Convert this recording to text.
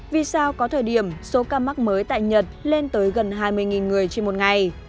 vì sao có thời điểm số ca mắc mới tại nhật lên tới gần hai mươi người trên một ngày